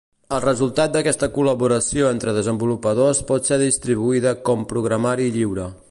El resultat d'aquesta col·laboració entre desenvolupadors pot ser distribuïda com programari lliure.